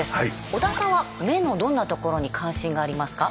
織田さんは目のどんなところに関心がありますか？